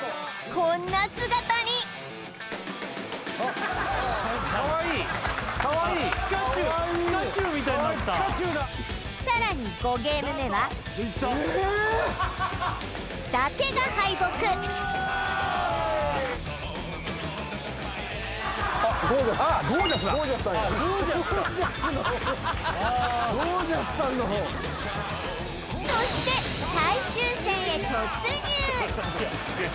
こんな姿に更に５ゲーム目は伊達が敗北そして最終戦へ突入！